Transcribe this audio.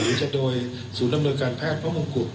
หรือจะโดยศูนย์อำนวยการแพทย์พระมงกุฎ